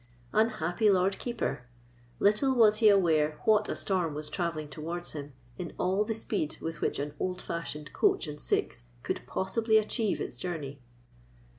Unhappy Lord Keeper! little was he aware what a storm was travelling towards him in all the speed with which an old fashioned coach and six could possibly achieve its journey.